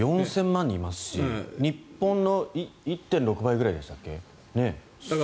４０００万人いますし日本の１．６倍でしたっけ。